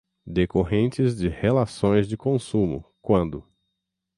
decorrentes de relações de consumo, quando